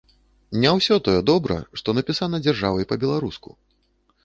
Не ўсё тое добра, што напісана дзяржавай па-беларуску.